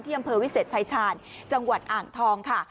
อำเภอวิเศษชายชาญจังหวัดอ่างทองค่ะ